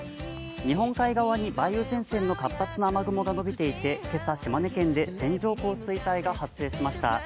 日本海側に梅雨前線の活発な雨雲が延びていて今朝、島根県で線状降水帯が発生しました。